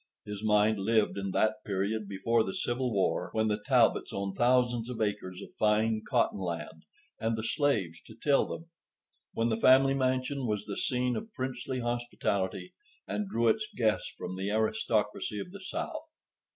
His mind lived in that period before the Civil War when the Talbots owned thousands of acres of fine cotton land and the slaves to till them; when the family mansion was the scene of princely hospitality, and drew its guests from the aristocracy of the South.